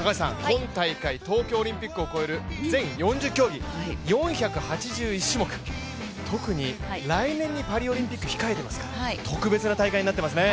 今大会東京オリンピックを超える全４０競技、４８１種目、特に来年にパリオリンピック控えていますから、特別な大会になってますね。